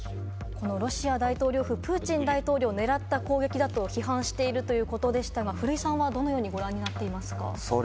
このロシア大統領府、プーチン大統領をねらった攻撃だと批判しているということでしたが、古井さんはどのようにご覧になっていますか？